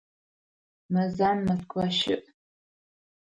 Мэзан Москва щыӏ.